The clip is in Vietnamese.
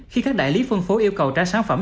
khi các đại lý phân phối yêu cầu trả sản phẩm